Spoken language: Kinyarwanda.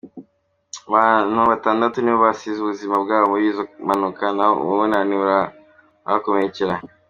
Abantu batandatu nibo basize ubuzima bwabo muri izo mpanuka naho ubunani barahakomerekera.